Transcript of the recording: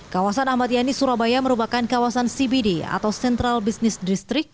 kawasan ahmadiyani surabaya merupakan kawasan cbd atau central business district